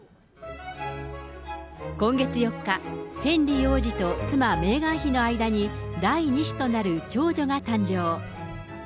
今月４日、ヘンリー王子と妻、メーガン妃の間に、第２子となる長女が誕生。